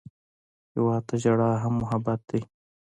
هېواد ته ژړا هم محبت دی